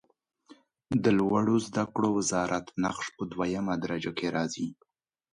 د لوړو زده کړو وزارت نقش په دویمه درجه کې راځي.